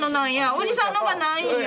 おじさんのがないんよ。